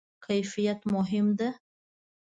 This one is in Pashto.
کیفیت مهم ده؟